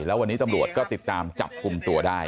แล้ววันนี้ตำรวจก็ติดตามจับกลุ่มตัวได้